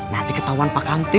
nanti ketahuan pak amtid